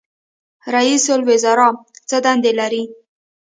رئیس الوزرا څه دندې لري؟